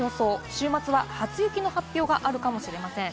週末は初雪の発表があるかもしれません。